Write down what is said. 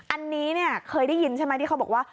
อันนี้เนี่ยเคยได้ยินใช่ไหมที่เขาบอกว่า